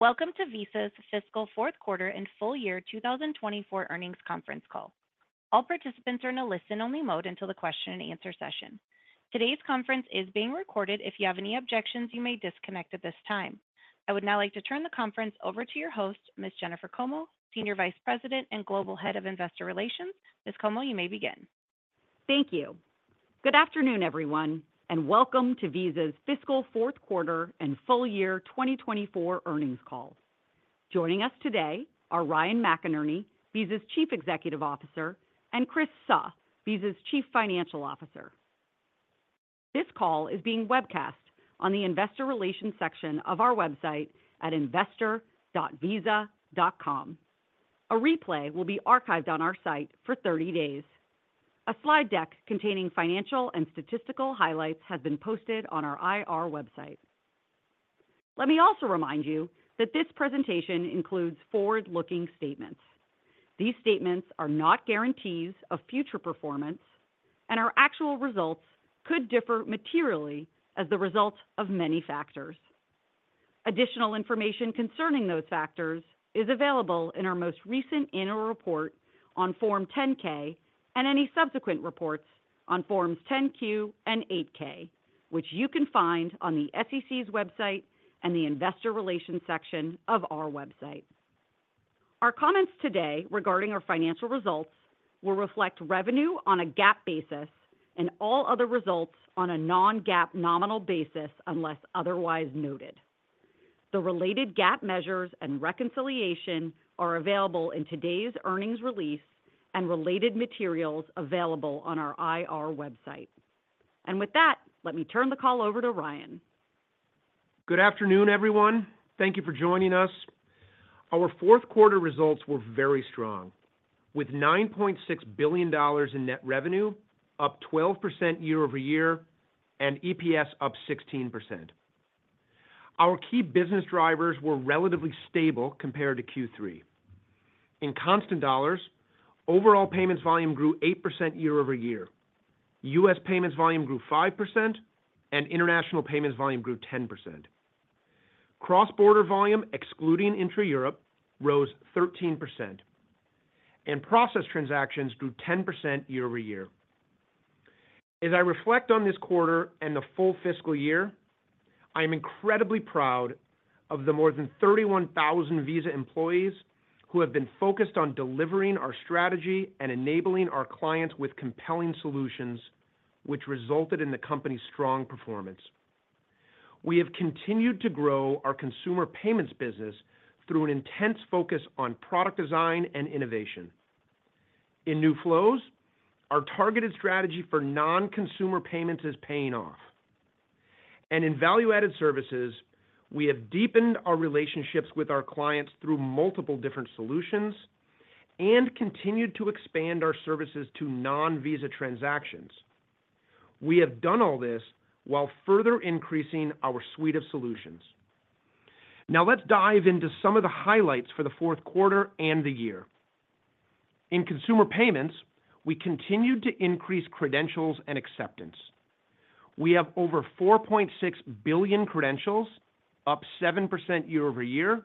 Welcome to Visa's Fiscal Fourth Quarter and Full Year 2024 Earnings Conference Call. All participants are in a listen-only mode until the question-and-answer session. Today's conference is being recorded. If you have any objections, you may disconnect at this time. I would now like to turn the conference over to your host, Ms. Jennifer Como, Senior Vice President and Global Head of Investor Relations. Ms. Como, you may begin. Thank you. Good afternoon, everyone, and welcome to Visa's Fiscal Fourth Quarter and Full Year 2024 Earnings Call. Joining us today are Ryan McInerney, Visa's Chief Executive Officer, and Chris Suh, Visa's Chief Financial Officer. This call is being webcast on the Investor Relations section of our website at investor.visa.com. A replay will be archived on our site for 30 days. A slide deck containing financial and statistical highlights has been posted on our IR website. Let me also remind you that this presentation includes forward-looking statements. These statements are not guarantees of future performance, and our actual results could differ materially as the result of many factors. Additional information concerning those factors is available in our most recent annual report on Form 10-K and any subsequent reports on Forms 10-Q and 8-K, which you can find on the SEC's website and the Investor Relations section of our website. Our comments today regarding our financial results will reflect revenue on a GAAP basis and all other results on a non-GAAP nominal basis unless otherwise noted. The related GAAP measures and reconciliation are available in today's earnings release and related materials available on our IR website, and with that, let me turn the call over to Ryan. Good afternoon, everyone. Thank you for joining us. Our fourth quarter results were very strong, with $9.6 billion in net revenue, up 12% year over year, and EPS up 16%. Our key business drivers were relatively stable compared to Q3. In constant dollars, overall payments volume grew 8% year over year, U.S. payments volume grew 5%, and international payments volume grew 10%. Cross-border volume, excluding intra-Europe, rose 13%, and processed transactions grew 10% year over year. As I reflect on this quarter and the full fiscal year, I am incredibly proud of the more than 31,000 Visa employees who have been focused on delivering our strategy and enabling our clients with compelling solutions, which resulted in the company's strong performance. We have continued to grow our consumer payments business through an intense focus on product design and innovation. In new flows, our targeted strategy for non-consumer payments is paying off. In value-added services, we have deepened our relationships with our clients through multiple different solutions and continued to expand our services to non-Visa transactions. We have done all this while further increasing our suite of solutions. Now let's dive into some of the highlights for the fourth quarter and the year. In consumer payments, we continued to increase credentials and acceptance. We have over 4.6 billion credentials, up 7% year over year,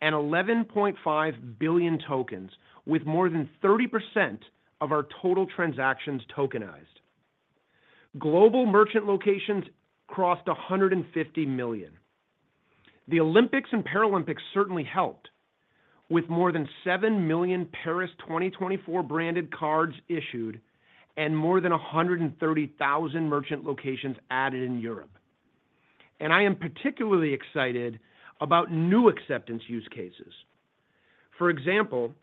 and 11.5 billion tokens, with more than 30% of our total transactions tokenized. Global merchant locations crossed 150 million. The Olympics and Paralympics certainly helped, with more than 7 million Paris 2024 branded cards issued and more than 130,000 merchant locations added in Europe. I am particularly excited about new acceptance use cases. For example,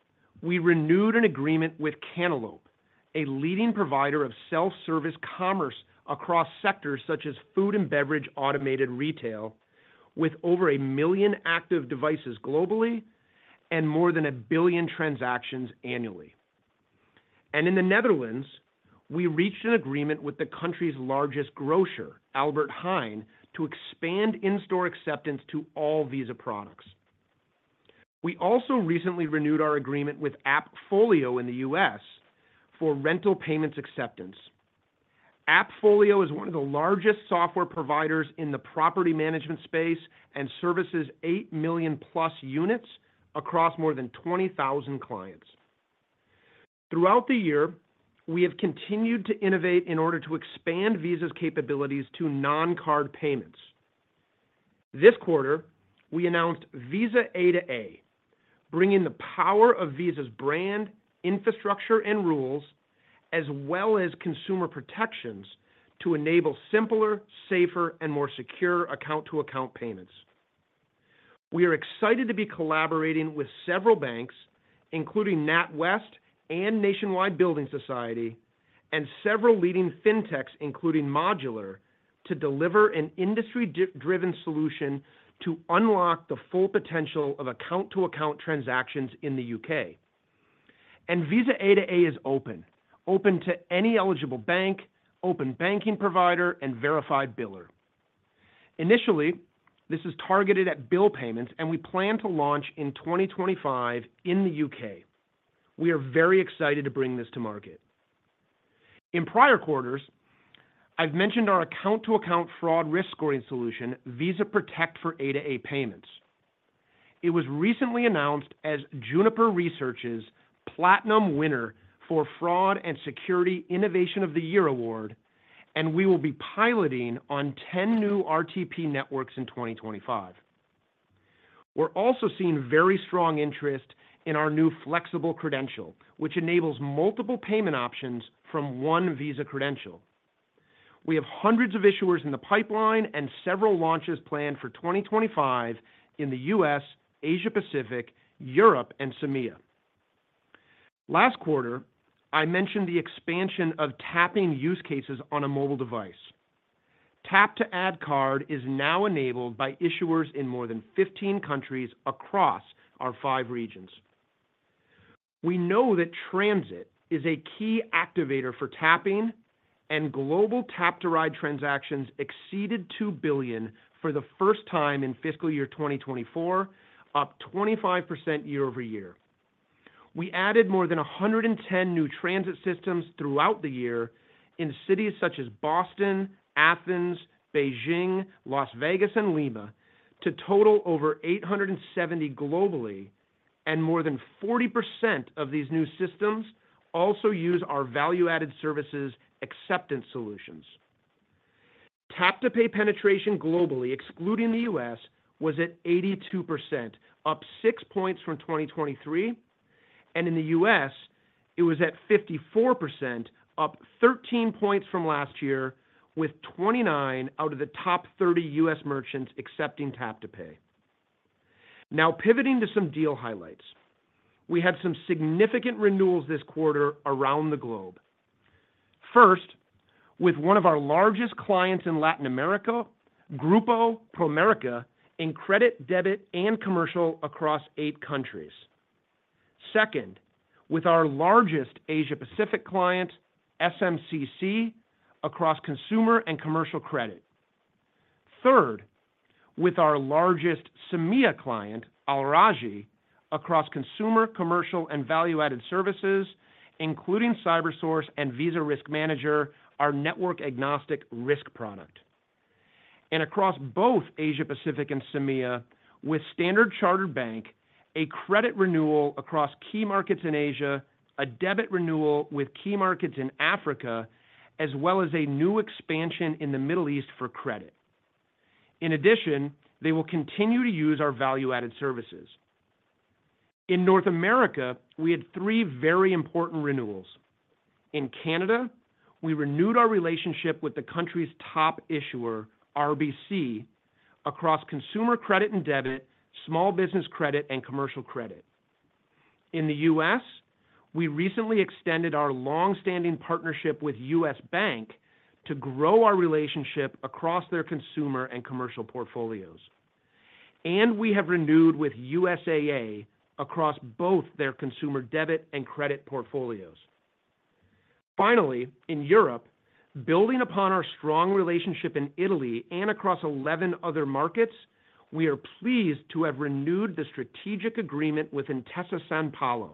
we renewed an agreement with Cantaloupe, a leading provider of self-service commerce across sectors such as food and beverage automated retail, with over a million active devices globally and more than a billion transactions annually. And in the Netherlands, we reached an agreement with the country's largest grocer, Albert Heijn, to expand in-store acceptance to all Visa products. We also recently renewed our agreement with AppFolio in the U.S. for rental payments acceptance. AppFolio is one of the largest software providers in the property management space and services eight million plus units across more than 20,000 clients. Throughout the year, we have continued to innovate in order to expand Visa's capabilities to non-card payments. This quarter, we announced Visa A2A, bringing the power of Visa's brand, infrastructure, and rules, as well as consumer protections to enable simpler, safer, and more secure account-to-account payments. We are excited to be collaborating with several banks, including NatWest and Nationwide Building Society, and several leading fintechs, including Modulr, to deliver an industry-driven solution to unlock the full potential of account-to-account transactions in the UK. And Visa A2A is open to any eligible bank, open banking provider, and verified biller. Initially, this is targeted at bill payments, and we plan to launch in 2025 in the UK. We are very excited to bring this to market. In prior quarters, I've mentioned our account-to-account fraud risk scoring solution, Visa Protect for Aisa Payments. It was recently announced as Juniper Research's Platinum Winner for Fraud and Security Innovation of the Year Award, and we will be piloting on 10 new RTP networks in 2025. We're also seeing very strong interest in our new Flexible Credential, which enables multiple payment options from one Visa credential. We have hundreds of issuers in the pipeline and several launches planned for 2025 in the U.S., Asia Pacific, Europe, and CEMEA. Last quarter, I mentioned the expansion of tapping use cases on a mobile device. Tap to Add Card is now enabled by issuers in more than 15 countries across our five regions. We know that transit is a key activator for tapping, and global tap-to-ride transactions exceeded 2 billion for the first time in fiscal year 2024, up 25% year over year. We added more than 110 new transit systems throughout the year in cities such as Boston, Athens, Beijing, Las Vegas, and Lima to total over 870 globally, and more than 40% of these new systems also use our value-added services acceptance solutions. Tap-to-pay penetration globally, excluding the U.S., was at 82%, up 6 points from 2023, and in the U.S., it was at 54%, up 13 points from last year, with 29 out of the top 30 U.S. merchants accepting tap-to-pay. Now pivoting to some deal highlights. We had some significant renewals this quarter around the globe. First, with one of our largest clients in Latin America, Grupo Promérica, in credit, debit, and commercial across eight countries. Second, with our largest Asia Pacific client, SMCC, across consumer and commercial credit. Third, with our largest CEMEA client, Al Rajhi, across consumer, commercial, and value-added services, including CyberSource and Visa Risk Manager, our network-agnostic risk product. Across both Asia Pacific and CEMEA, with Standard Chartered Bank, a credit renewal across key markets in Asia, a debit renewal with key markets in Africa, as well as a new expansion in the Middle East for credit. In addition, they will continue to use our value-added services. In North America, we had three very important renewals. In Canada, we renewed our relationship with the country's top issuer, RBC, across consumer credit and debit, small business credit, and commercial credit. In the U.S., we recently extended our longstanding partnership with U.S. Bank to grow our relationship across their consumer and commercial portfolios. And we have renewed with USAA across both their consumer debit and credit portfolios. Finally, in Europe, building upon our strong relationship in Italy and across 11 other markets, we are pleased to have renewed the strategic agreement with Intesa Sanpaolo,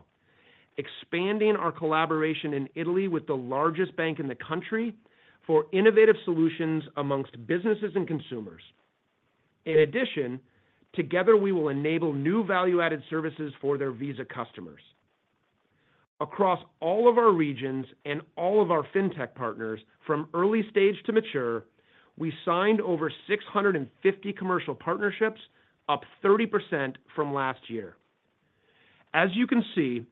expanding our collaboration in Italy with the largest bank in the country for innovative solutions among businesses and consumers. In addition, together we will enable new value-added services for their Visa customers. Across all of our regions and all of our fintech partners, from early stage to mature, we signed over 650 commercial partnerships, up 30% from last year. As you can see,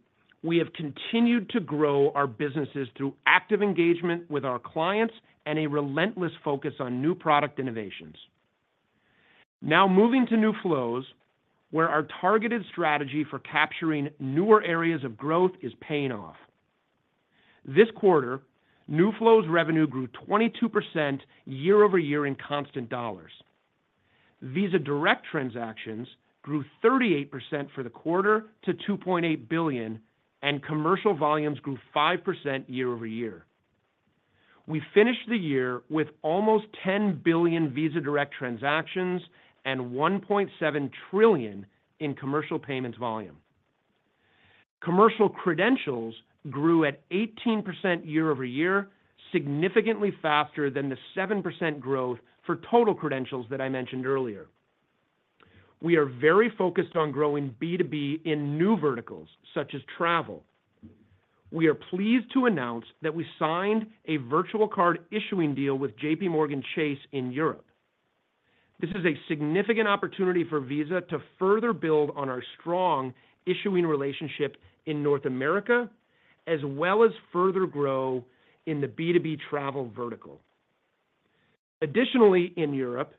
we have continued to grow our businesses through active engagement with our clients and a relentless focus on new product innovations. Now moving to new flows, where our targeted strategy for capturing newer areas of growth is paying off. This quarter, new flows revenue grew 22% year over year in constant dollars. Visa Direct transactions grew 38% for the quarter to 2.8 billion, and commercial volumes grew 5% year over year. We finished the year with almost 10 billion Visa Direct transactions and $1.7 trillion in commercial payments volume. Commercial credentials grew at 18% year over year, significantly faster than the 7% growth for total credentials that I mentioned earlier. We are very focused on growing B2B in new verticals such as travel. We are pleased to announce that we signed a virtual card issuing deal with JPMorgan Chase in Europe. This is a significant opportunity for Visa to further build on our strong issuing relationship in North America, as well as further grow in the B2B travel vertical. Additionally, in Europe,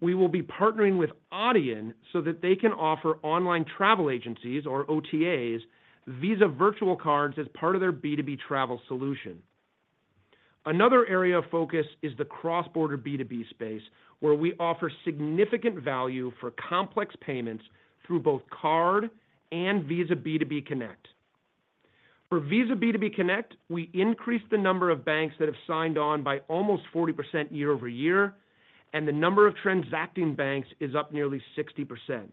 we will be partnering with Adyen so that they can offer online travel agencies, or OTAs, Visa virtual cards as part of their B2B travel solution. Another area of focus is the cross-border B2B space, where we offer significant value for complex payments through both card and Visa B2B Connect. For Visa B2B Connect, we increased the number of banks that have signed on by almost 40% year over year, and the number of transacting banks is up nearly 60%.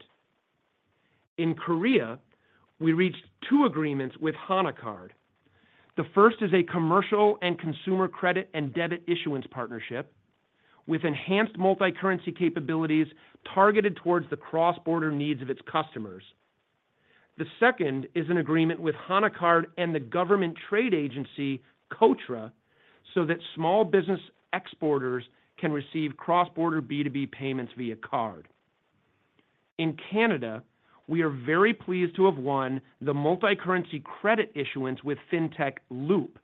In Korea, we reached two agreements with Hana Card. The first is a commercial and consumer credit and debit issuance partnership with enhanced multi-currency capabilities targeted towards the cross-border needs of its customers. The second is an agreement with Hana Card and the government trade agency, KOTRA, so that small business exporters can receive cross-border B2B payments via card. In Canada, we are very pleased to have won the multi-currency credit issuance with Loop,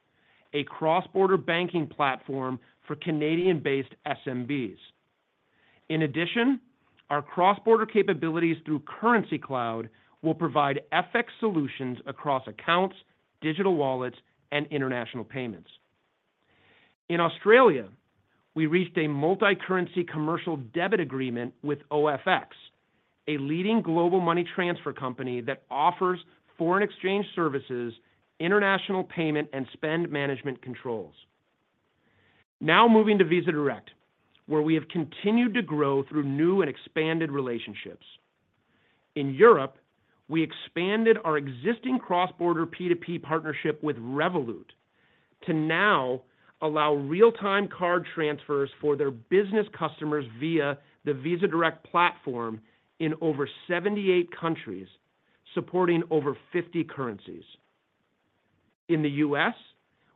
a cross-border banking platform for Canadian-based SMBs. In addition, our cross-border capabilities through Currencycloud will provide FX solutions across accounts, digital wallets, and international payments. In Australia, we reached a multi-currency commercial debit agreement with OFX, a leading global money transfer company that offers foreign exchange services, international payment, and spend management controls. Now moving to Visa Direct, where we have continued to grow through new and expanded relationships. In Europe, we expanded our existing cross-border P2P partnership with Revolut to now allow real-time card transfers for their business customers via the Visa Direct platform in over 78 countries, supporting over 50 currencies. In the U.S.,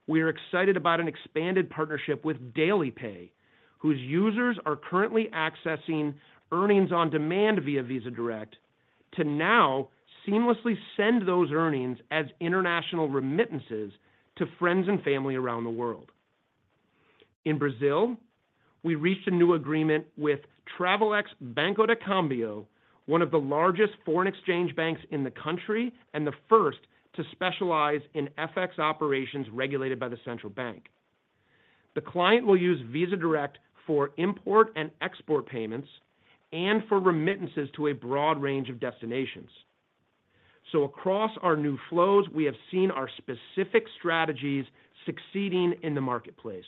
we are excited about an expanded partnership with DailyPay, whose users are currently accessing earnings on demand via Visa Direct, to now seamlessly send those earnings as international remittances to friends and family around the world. In Brazil, we reached a new agreement with Travelex Banco de Câmbio, one of the largest foreign exchange banks in the country and the first to specialize in FX operations regulated by the central bank. The client will use Visa Direct for import and export payments and for remittances to a broad range of destinations. So across our new flows, we have seen our specific strategies succeeding in the marketplace.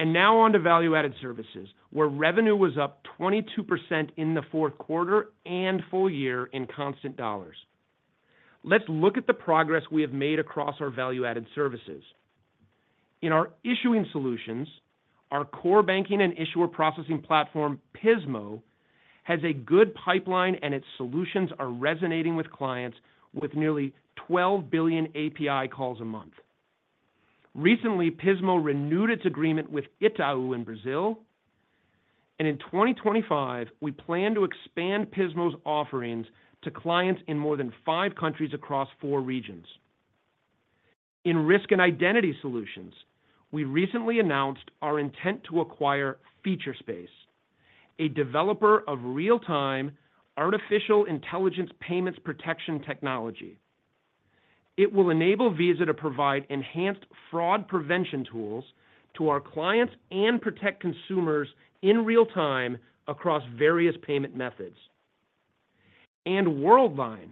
And now on to value-added services, where revenue was up 22% in the fourth quarter and full year in constant dollars. Let's look at the progress we have made across our value-added services. In our issuing solutions, our core banking and issuer processing platform, Pismo, has a good pipeline and its solutions are resonating with clients with nearly 12 billion API calls a month. Recently, Pismo renewed its agreement with Itaú in Brazil, and in 2025, we plan to expand Pismo's offerings to clients in more than five countries across four regions. In risk and identity solutions, we recently announced our intent to acquire Featurespace, a developer of real-time artificial intelligence payments protection technology. It will enable Visa to provide enhanced fraud prevention tools to our clients and protect consumers in real time across various payment methods, and Worldline,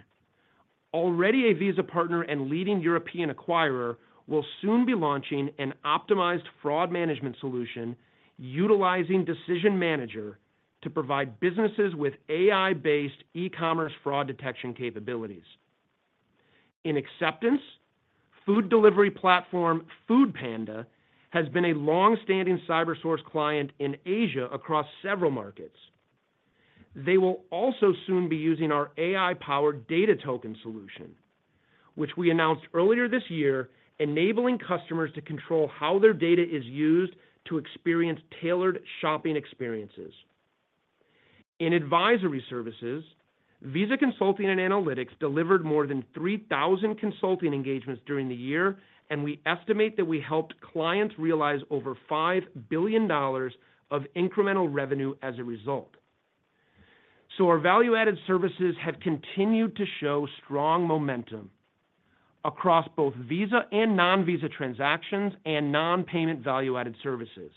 already a Visa partner and leading European acquirer, will soon be launching an optimized fraud management solution utilizing Decision Manager to provide businesses with AI-based e-commerce fraud detection capabilities. In Acceptance, food delivery platform Foodpanda has been a longstanding CyberSource client in Asia across several markets. They will also soon be using our AI-powered data token solution, which we announced earlier this year, enabling customers to control how their data is used to experience tailored shopping experiences. In advisory services, Visa Consulting and Analytics delivered more than 3,000 consulting engagements during the year, and we estimate that we helped clients realize over $5 billion of incremental revenue as a result. Our value-added services have continued to show strong momentum across both Visa and non-Visa transactions and non-payment value-added services.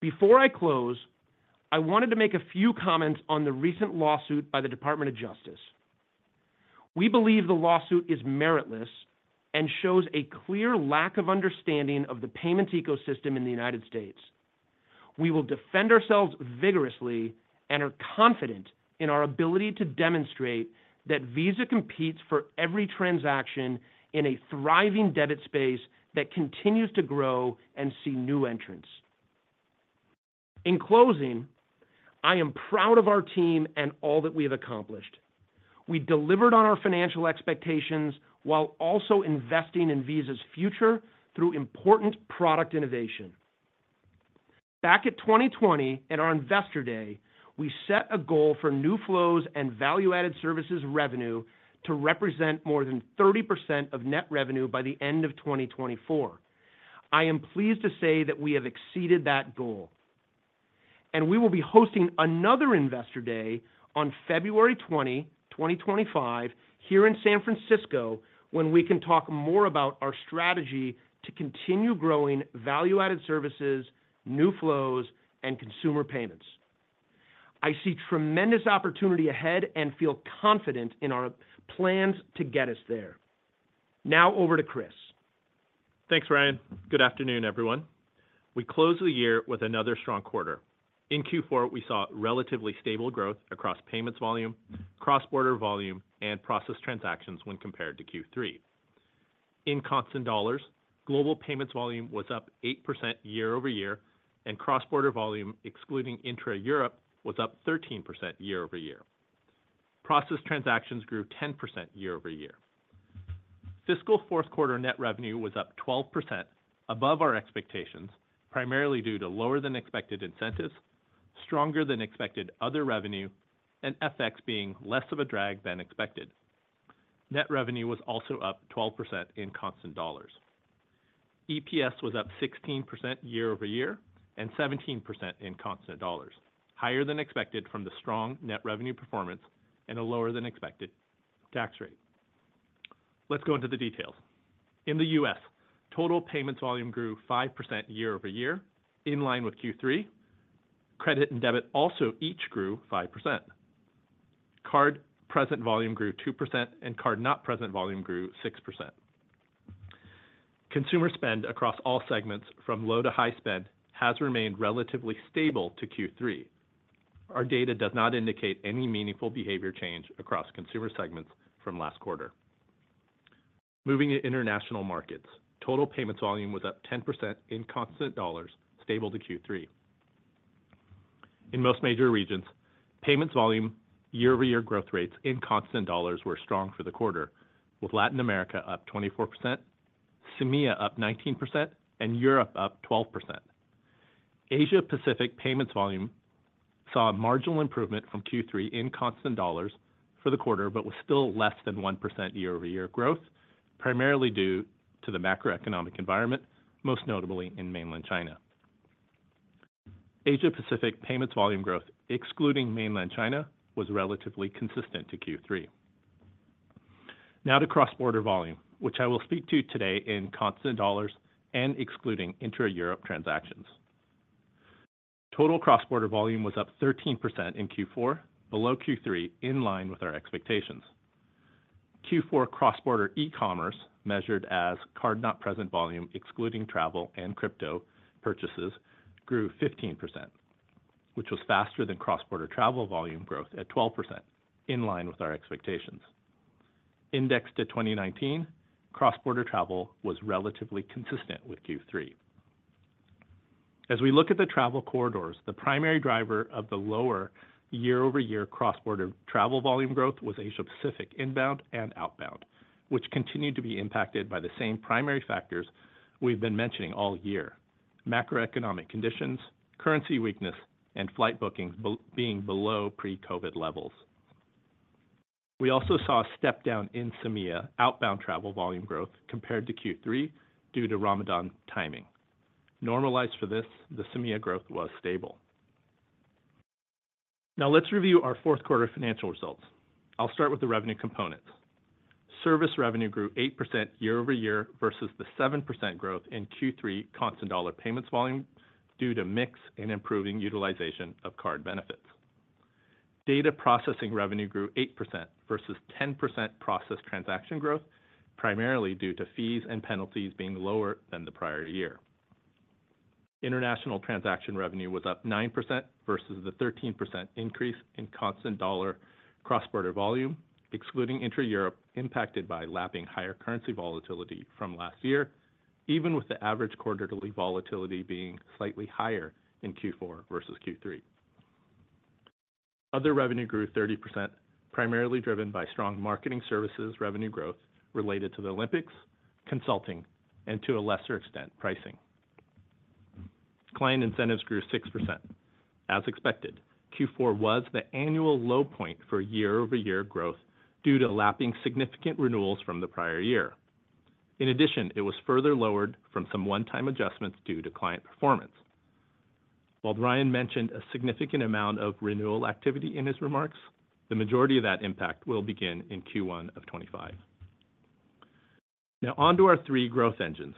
Before I close, I wanted to make a few comments on the recent lawsuit by the Department of Justice. We believe the lawsuit is meritless and shows a clear lack of understanding of the payments ecosystem in the United States. We will defend ourselves vigorously and are confident in our ability to demonstrate that Visa competes for every transaction in a thriving debit space that continues to grow and see new entrants. In closing, I am proud of our team and all that we have accomplished. We delivered on our financial expectations while also investing in Visa's future through important product innovation. Back in 2020, at our Investor Day, we set a goal for new flows and value-added services revenue to represent more than 30% of net revenue by the end of 2024. I am pleased to say that we have exceeded that goal, and we will be hosting another Investor Day on February 20, 2025, here in San Francisco when we can talk more about our strategy to continue growing value-added services, new flows, and consumer payments. I see tremendous opportunity ahead and feel confident in our plans to get us there. Now over to Chris. Thanks, Ryan. Good afternoon, everyone. We close the year with another strong quarter. In Q4, we saw relatively stable growth across Payments Volume, cross-border volume, and Processed Transactions when compared to Q3. In constant dollars, global Payments Volume was up 8% year over year, and cross-border volume, excluding intra-Europe, was up 13% year over year. Processed Transactions grew 10% year over year. Fiscal fourth quarter net revenue was up 12% above our expectations, primarily due to lower-than-expected incentives, stronger-than-expected other revenue, and FX being less of a drag than expected. Net revenue was also up 12% in constant dollars. EPS was up 16% year over year and 17% in constant dollars, higher than expected from the strong net revenue performance and a lower-than-expected tax rate. Let's go into the details. In the U.S., total payments volume grew 5% year over year, in line with Q3. Credit and debit also each grew 5%. Card present volume grew 2% and card not present volume grew 6%. Consumer spend across all segments, from low to high spend, has remained relatively stable to Q3. Our data does not indicate any meaningful behavior change across consumer segments from last quarter. Moving to international markets, total payments volume was up 10% in constant dollars, stable to Q3. In most major regions, payments volume, year-over-year growth rates in constant dollars were strong for the quarter, with Latin America up 24%, CEMEA up 19%, and Europe up 12%. Asia Pacific payments volume saw a marginal improvement from Q3 in constant dollars for the quarter, but was still less than 1% year-over-year growth, primarily due to the macroeconomic environment, most notably in mainland China. Asia-Pacific payments volume growth, excluding mainland China, was relatively consistent to Q3. Now to cross-border volume, which I will speak to today in constant dollars and excluding intra-Europe transactions. Total cross-border volume was up 13% in Q4, below Q3, in line with our expectations. Q4 cross-border e-commerce, measured as card not present volume, excluding travel and crypto purchases, grew 15%, which was faster than cross-border travel volume growth at 12%, in line with our expectations. Indexed to 2019, cross-border travel was relatively consistent with Q3. As we look at the travel corridors, the primary driver of the lower year-over-year cross-border travel volume growth was Asia-Pacific inbound and outbound, which continued to be impacted by the same primary factors we've been mentioning all year: macroeconomic conditions, currency weakness, and flight bookings being below pre-COVID levels. We also saw a step down in CEMEA outbound travel volume growth compared to Q3 due to Ramadan timing. Normalized for this, the CEMEA growth was stable. Now let's review our fourth quarter financial results. I'll start with the revenue components. Service revenue grew 8% year-over-year versus the 7% growth in Q3 constant dollar payments volume due to mix and improving utilization of card benefits. Data processing revenue grew 8% versus 10% processed transaction growth, primarily due to fees and penalties being lower than the prior year. International transaction revenue was up 9% versus the 13% increase in constant dollar cross-border volume, excluding intra-Europe, impacted by lapping higher currency volatility from last year, even with the average quarterly volatility being slightly higher in Q4 versus Q3. Other revenue grew 30%, primarily driven by strong marketing services revenue growth related to the Olympics, consulting, and to a lesser extent, pricing. Client incentives grew 6%. As expected, Q4 was the annual low point for year-over-year growth due to lapping significant renewals from the prior year. In addition, it was further lowered from some one-time adjustments due to client performance. While Ryan mentioned a significant amount of renewal activity in his remarks, the majority of that impact will begin in Q1 of 2025. Now on to our three growth engines.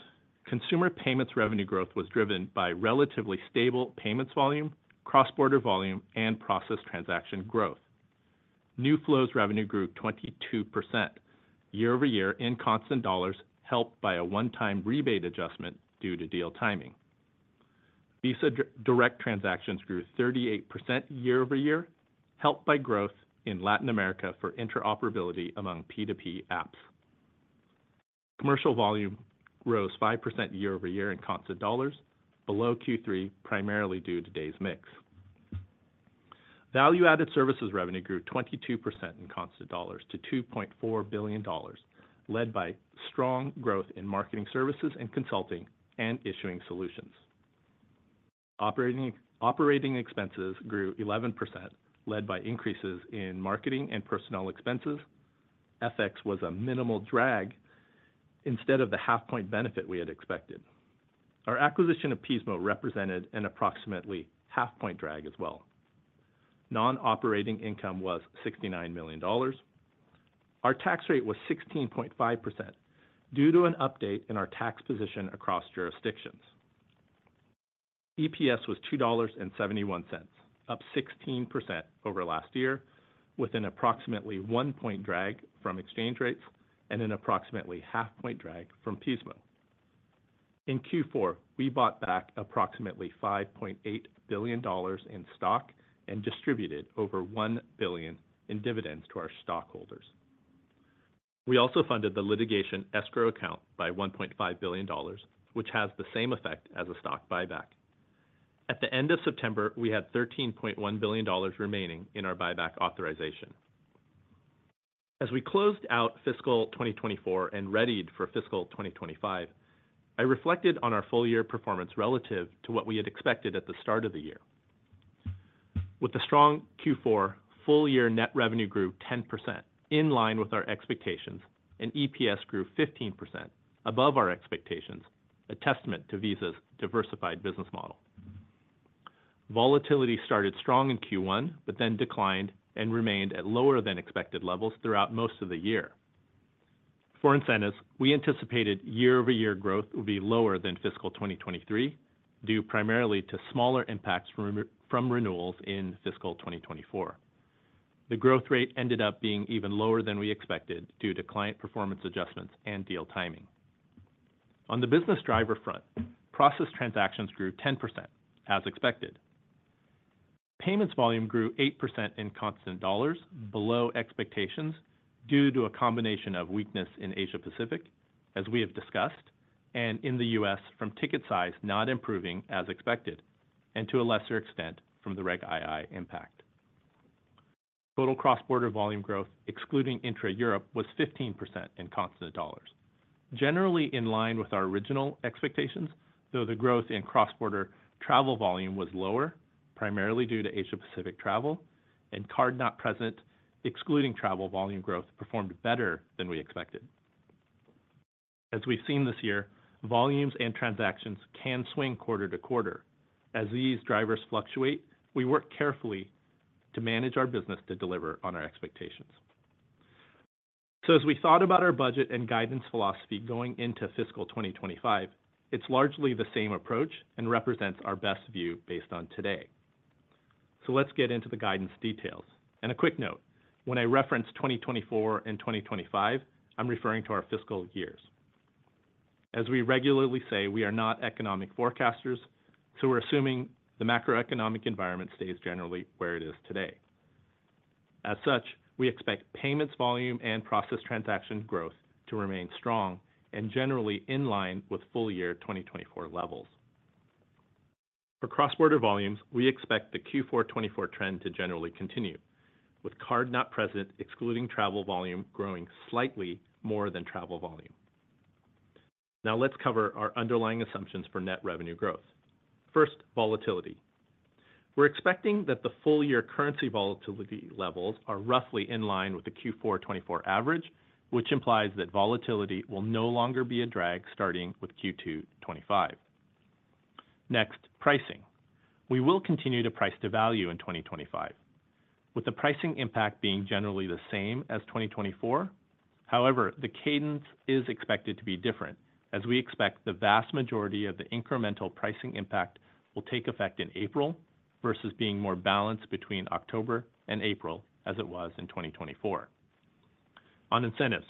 Consumer payments revenue growth was driven by relatively stable payments volume, cross-border volume, and processed transaction growth. New flows revenue grew 22% year-over-year in constant dollars, helped by a one-time rebate adjustment due to deal timing. Visa Direct transactions grew 38% year-over-year, helped by growth in Latin America for interoperability among P2P apps. Commercial volume rose 5% year-over-year in constant dollars, below Q3, primarily due to days' mix. Value-added services revenue grew 22% in constant dollars to $2.4 billion, led by strong growth in marketing services and consulting and issuing solutions. Operating expenses grew 11%, led by increases in marketing and personnel expenses. FX was a minimal drag instead of the half-point benefit we had expected. Our acquisition of Pismo represented an approximately half-point drag as well. Non-operating income was $69 million. Our tax rate was 16.5% due to an update in our tax position across jurisdictions. EPS was $2.71, up 16% over last year, with an approximately one-point drag from exchange rates and an approximately half-point drag from Pismo. In Q4, we bought back approximately $5.8 billion in stock and distributed over $1 billion in dividends to our stockholders. We also funded the litigation escrow account by $1.5 billion, which has the same effect as a stock buyback. At the end of September, we had $13.1 billion remaining in our buyback authorization. As we closed out fiscal 2024 and readied for fiscal 2025, I reflected on our full-year performance relative to what we had expected at the start of the year. With a strong Q4, full-year net revenue grew 10%, in line with our expectations, and EPS grew 15%, above our expectations, a testament to Visa's diversified business model. Payments volume started strong in Q1, but then declined and remained at lower-than-expected levels throughout most of the year. For incentives, we anticipated year-over-year growth would be lower than fiscal 2023, due primarily to smaller impacts from renewals in fiscal 2024. The growth rate ended up being even lower than we expected due to client performance adjustments and deal timing. On the business driver front, processed transactions grew 10%, as expected. Payments volume grew 8% in constant dollars, below expectations, due to a combination of weakness in Asia Pacific, as we have discussed, and in the U.S. from ticket size not improving, as expected, and to a lesser extent from the Reg II impact. Total cross-border volume growth, excluding intra-Europe, was 15% in constant dollars, generally in line with our original expectations, though the growth in cross-border travel volume was lower, primarily due to Asia Pacific travel, and card not present, excluding travel volume growth, performed better than we expected. As we've seen this year, volumes and transactions can swing quarter to quarter. As these drivers fluctuate, we work carefully to manage our business to deliver on our expectations. So, as we thought about our budget and guidance philosophy going into fiscal 2025, it's largely the same approach and represents our best view based on today. So, let's get into the guidance details. A quick note: when I reference 2024 and 2025, I'm referring to our fiscal years. As we regularly say, we are not economic forecasters, so we're assuming the macroeconomic environment stays generally where it is today. As such, we expect payments volume and processed transaction growth to remain strong and generally in line with full-year 2024 levels. For cross-border volumes, we expect the Q4 2024 trend to generally continue, with Card Not Present, excluding travel volume, growing slightly more than travel volume. Now, let's cover our underlying assumptions for net revenue growth. First, volatility. We're expecting that the full-year currency volatility levels are roughly in line with the Q4 2024 average, which implies that volatility will no longer be a drag starting with Q2 2025. Next, pricing. We will continue to price to value in 2025, with the pricing impact being generally the same as 2024. However, the cadence is expected to be different, as we expect the vast majority of the incremental pricing impact will take effect in April versus being more balanced between October and April, as it was in 2024. On incentives.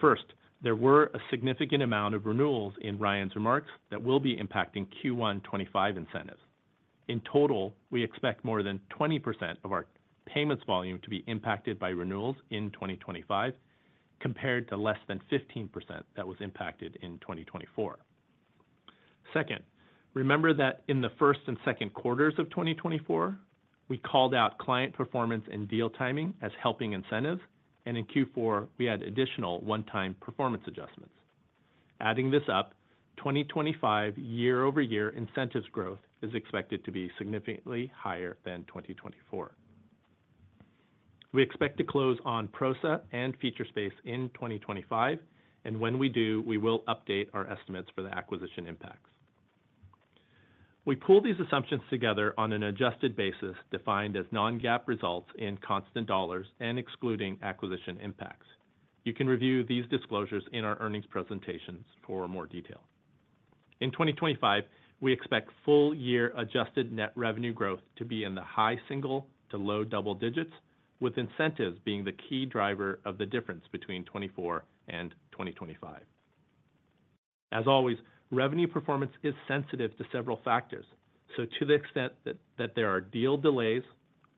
First, there were a significant amount of renewals in Ryan's remarks that will be impacting Q1 2025 incentives. In total, we expect more than 20% of our payments volume to be impacted by renewals in 2025, compared to less than 15% that was impacted in 2024. Second, remember that in the first and second quarters of 2024, we called out client performance and deal timing as helping incentives, and in Q4, we had additional one-time performance adjustments. Adding this up, 2025 year-over-year incentives growth is expected to be significantly higher than 2024. We expect to close on Prosa and Featurespace in 2025, and when we do, we will update our estimates for the acquisition impacts. We pull these assumptions together on an adjusted basis defined as non-GAAP results in constant dollars and excluding acquisition impacts. You can review these disclosures in our earnings presentations for more detail. In 2025, we expect full-year adjusted net revenue growth to be in the high single to low double digits, with incentives being the key driver of the difference between 2024 and 2025. As always, revenue performance is sensitive to several factors, so to the extent that there are deal delays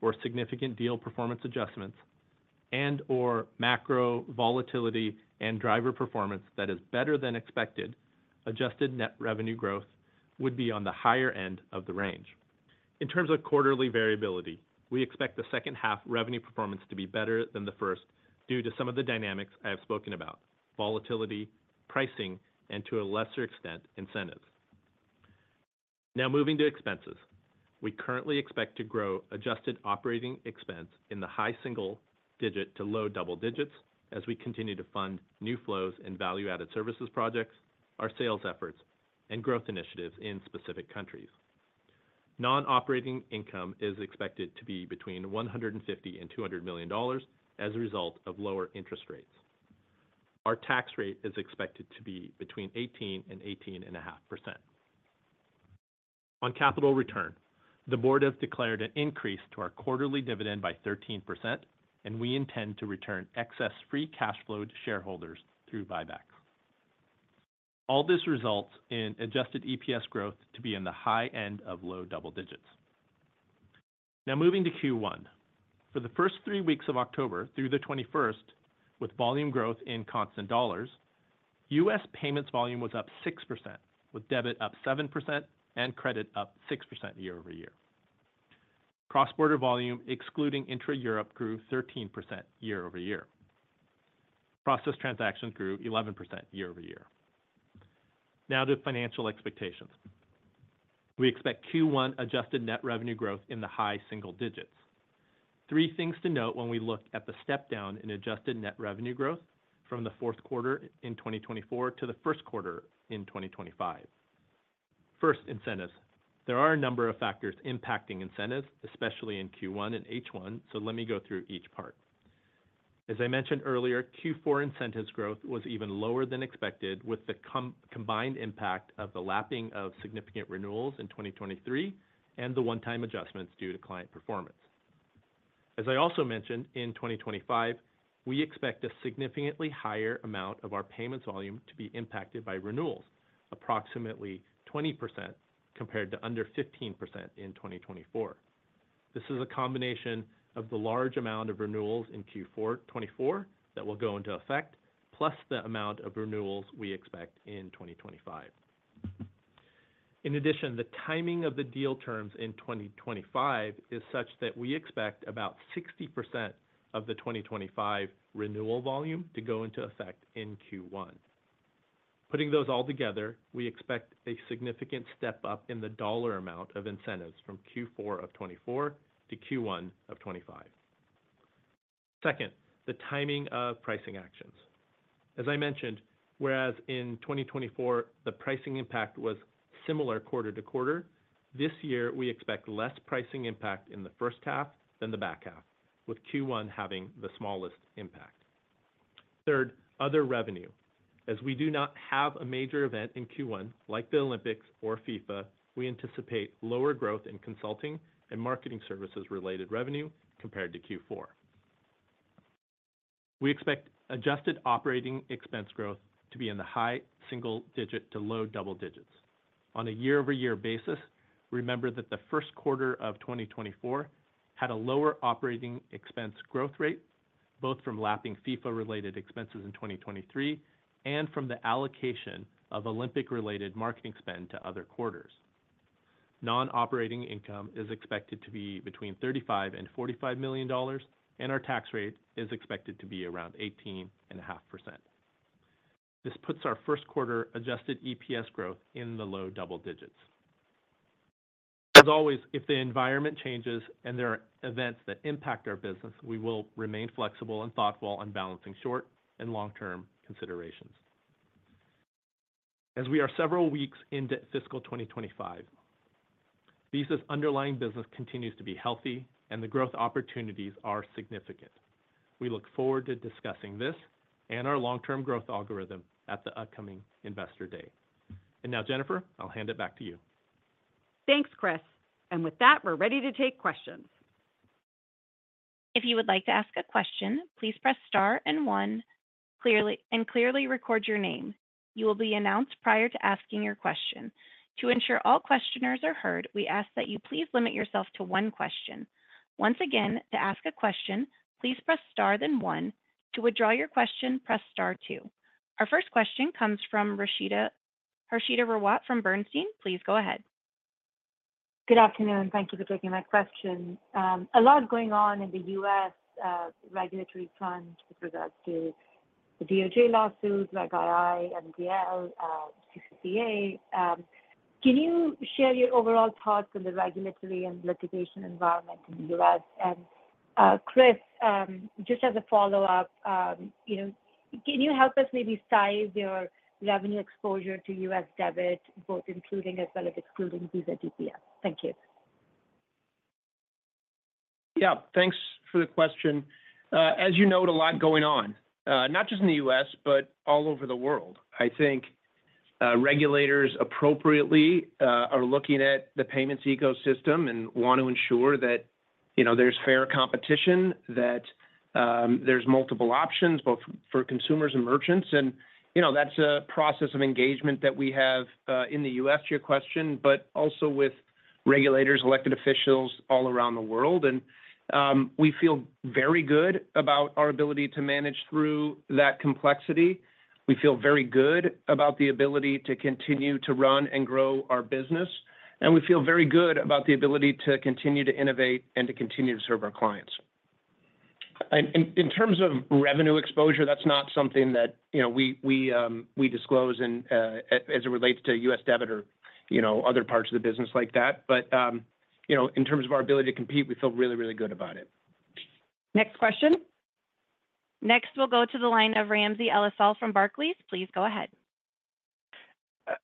or significant deal performance adjustments and/or macro volatility and driver performance that is better than expected, adjusted net revenue growth would be on the higher end of the range. In terms of quarterly variability, we expect the second half revenue performance to be better than the first due to some of the dynamics I have spoken about: volatility, pricing, and to a lesser extent, incentives. Now moving to expenses. We currently expect to grow adjusted operating expense in the high single digit to low double digits as we continue to fund new flows and value-added services projects, our sales efforts, and growth initiatives in specific countries. Non-operating income is expected to be between $150 and $200 million as a result of lower interest rates. Our tax rate is expected to be between 18% and 18.5%. On capital return, the board has declared an increase to our quarterly dividend by 13%, and we intend to return excess free cash flow to shareholders through buybacks. All this results in adjusted EPS growth to be in the high end of low double digits. Now moving to Q1. For the first three weeks of October through the 21st, with volume growth in constant dollars, U.S. payments volume was up 6%, with debit up 7% and credit up 6% year-over-year. Cross-border volume, excluding intra-Europe, grew 13% year-over-year. Processed transactions grew 11% year-over-year. Now to financial expectations. We expect Q1 adjusted net revenue growth in the high single digits. Three things to note when we look at the step down in adjusted net revenue growth from the fourth quarter in 2024 to the first quarter in 2025. First, incentives. There are a number of factors impacting incentives, especially in Q1 and H1, so let me go through each part. As I mentioned earlier, Q4 incentives growth was even lower than expected, with the combined impact of the lapping of significant renewals in 2023 and the one-time adjustments due to client performance. As I also mentioned, in 2025, we expect a significantly higher amount of our payments volume to be impacted by renewals, approximately 20%, compared to under 15% in 2024. This is a combination of the large amount of renewals in Q4 2024 that will go into effect, plus the amount of renewals we expect in 2025. In addition, the timing of the deal terms in 2025 is such that we expect about 60% of the 2025 renewal volume to go into effect in Q1. Putting those all together, we expect a significant step up in the dollar amount of incentives from Q4 of 2024 to Q1 of 2025. Second, the timing of pricing actions. As I mentioned, whereas in 2024, the pricing impact was similar quarter to quarter, this year we expect less pricing impact in the first half than the back half, with Q1 having the smallest impact. Third, other revenue. As we do not have a major event in Q1, like the Olympics or FIFA, we anticipate lower growth in consulting and marketing services-related revenue compared to Q4. We expect adjusted operating expense growth to be in the high single digit to low double digits. On a year-over-year basis, remember that the first quarter of 2024 had a lower operating expense growth rate, both from lapping FIFA-related expenses in 2023 and from the allocation of Olympic-related marketing spend to other quarters. Non-operating income is expected to be between $35 and $45 million, and our tax rate is expected to be around 18.5%. This puts our first quarter adjusted EPS growth in the low double digits. As always, if the environment changes and there are events that impact our business, we will remain flexible and thoughtful on balancing short and long-term considerations. As we are several weeks into fiscal 2025, Visa's underlying business continues to be healthy, and the growth opportunities are significant. We look forward to discussing this and our long-term growth algorithm at the upcoming Investor Day. And now, Jennifer, I'll hand it back to you. Thanks, Chris. And with that, we're ready to take questions. If you would like to ask a question, please press star and one, and clearly record your name. You will be announced prior to asking your question. To ensure all questioners are heard, we ask that you please limit yourself to one question. Once again, to ask a question, please press star then one. To withdraw your question, press star two. Our first question comes from Harshita Rawat from Bernstein. Please go ahead. Good afternoon. Thank you for taking my question. A lot going on in the U.S. regulatory front with regards to the DOJ lawsuit, Reg II, MDL, CCCA. Can you share your overall thoughts on the regulatory and litigation environment in the U.S.? And Chris, just as a follow-up, can you help us maybe size your revenue exposure to U.S. debit, both including as well as excluding Visa DPS? Thank you. Yeah, thanks for the question. As you note, a lot going on, not just in the U.S., but all over the world. I think regulators appropriately are looking at the payments ecosystem and want to ensure that there's fair competition, that there's multiple options, both for consumers and merchants. And that's a process of engagement that we have in the U.S., to your question, but also with regulators, elected officials all around the world. We feel very good about our ability to manage through that complexity. We feel very good about the ability to continue to run and grow our business, and we feel very good about the ability to continue to innovate and to continue to serve our clients. In terms of revenue exposure, that's not something that we disclose as it relates to U.S. debit or other parts of the business like that. But in terms of our ability to compete, we feel really, really good about it. Next question. Next, we'll go to the line of Ramsey El-Assal from Barclays. Please go ahead.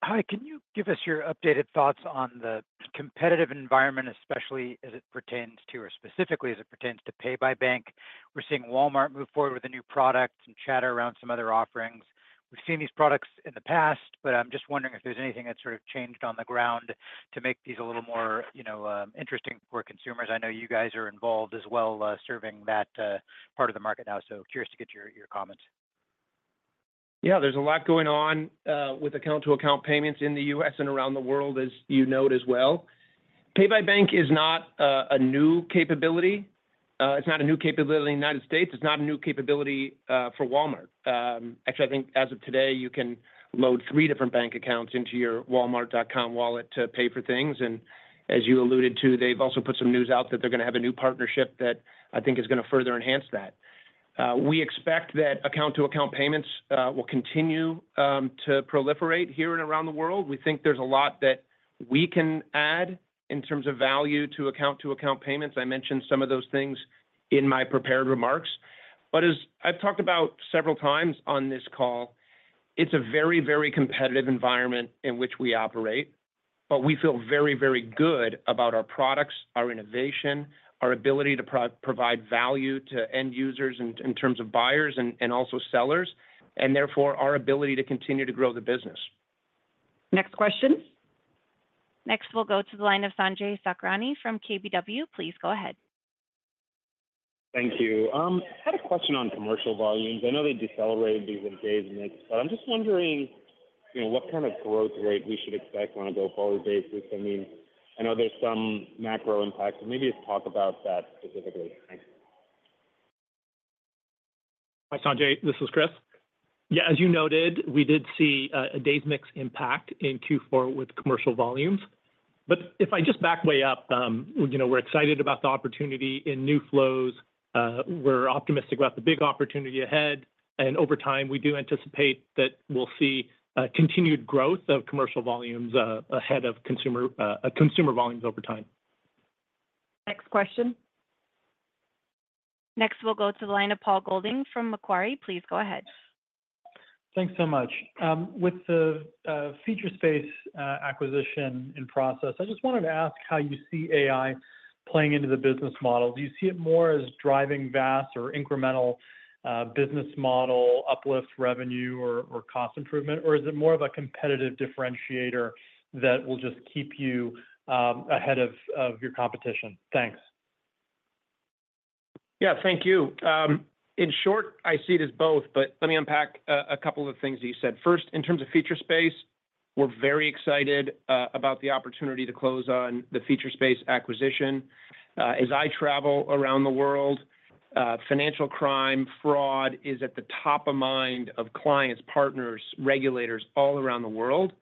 Hi. Can you give us your updated thoughts on the competitive environment, especially as it pertains to, or specifically as it pertains to Pay by Bank? We're seeing Walmart move forward with a new product and chatter around some other offerings. We've seen these products in the past, but I'm just wondering if there's anything that's sort of changed on the ground to make these a little more interesting for consumers. I know you guys are involved as well serving that part of the market now, so curious to get your comments. Yeah, there's a lot going on with account-to-account payments in the U.S. and around the world, as you note as well. Pay by Bank is not a new capability. It's not a new capability in the United States. It's not a new capability for Walmart. Actually, I think as of today, you can load three different bank accounts into your Walmart.com wallet to pay for things. And as you alluded to, they've also put some news out that they're going to have a new partnership that I think is going to further enhance that. We expect that account-to-account payments will continue to proliferate here and around the world. We think there's a lot that we can add in terms of value to account-to-account payments. I mentioned some of those things in my prepared remarks. But as I've talked about several times on this call, it's a very, very competitive environment in which we operate, but we feel very, very good about our products, our innovation, our ability to provide value to end users in terms of buyers and also sellers, and therefore our ability to continue to grow the business. Next question. Next, we'll go to the line of Sanjay Sakrani from KBW. Please go ahead. Thank you. I had a question on commercial volumes. I know they decelerated these engagements, but I'm just wondering what kind of growth rate we should expect on a go-forward basis. I mean, I know there's some macro impact. Maybe just talk about that specifically. Thanks. Hi, Sanjay. This is Chris. Yeah, as you noted, we did see a days' mix impact in Q4 with commercial volumes. But if I just back way up, we're excited about the opportunity in new flows. We're optimistic about the big opportunity ahead. And over time, we do anticipate that we'll see continued growth of commercial volumes ahead of consumer volumes over time. Next question. Next, we'll go to the line of Paul Golding from Macquarie. Please go ahead. Thanks so much. With the Featurespace acquisition in process, I just wanted to ask how you see AI playing into the business model. Do you see it more as driving vast or incremental business model uplift, revenue, or cost improvement? Or is it more of a competitive differentiator that will just keep you ahead of your competition? Thanks. Yeah, thank you. In short, I see it as both, but let me unpack a couple of the things that you said. First, in terms of Featurespace, we're very excited about the opportunity to close on the Featurespace acquisition. As I travel around the world, financial crime, fraud is at the top of mind of clients, partners, regulators all around the world.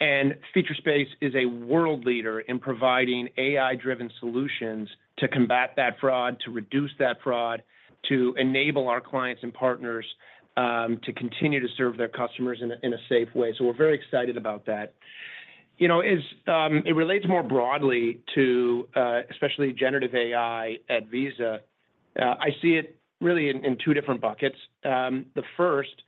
Featurespace is a world leader in providing AI-driven solutions to combat that fraud, to reduce that fraud, to enable our clients and partners to continue to serve their customers in a safe way. We're very excited about that. It relates more broadly to, especially, generative AI at Visa. I see it really in two different buckets. The first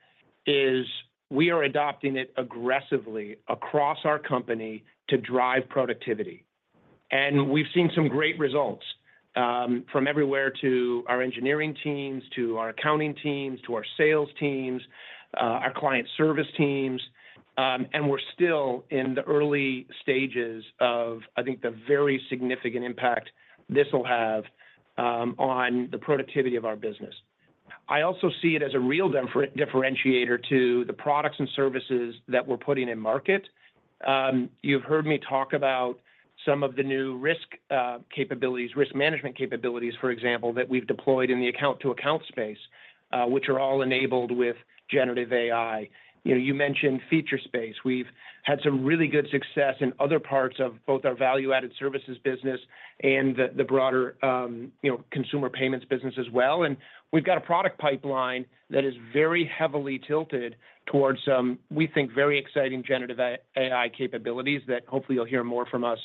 is we are adopting it aggressively across our company to drive productivity. We've seen some great results from everywhere to our engineering teams, to our accounting teams, to our sales teams, our client service teams. We're still in the early stages of, I think, the very significant impact this will have on the productivity of our business. I also see it as a real differentiator to the products and services that we're putting in market. You've heard me talk about some of the new risk capabilities, risk management capabilities, for example, that we've deployed in the account-to-account space, which are all enabled with generative AI. You mentioned Featurespace. We've had some really good success in other parts of both our value-added services business and the broader consumer payments business as well. And we've got a product pipeline that is very heavily tilted towards some, we think, very exciting generative AI capabilities that hopefully you'll hear more from us